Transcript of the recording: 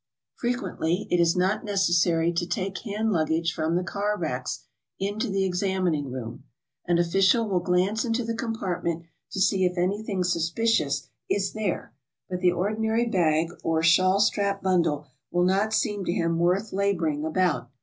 Frequently it is not necessary to take hand luggage from the car racks into the examining room; an official will glance into the compartment to see if anything suspicious is there, but the ordinary bag or shawl strap bundle will not seem to him worth bothering about.